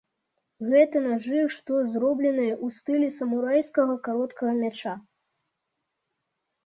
Гэта нажы, што зробленыя ў стылі самурайскага кароткага мяча.